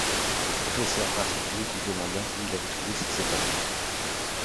Le professeur intrigué lui demanda où il avait trouvé ces épingles.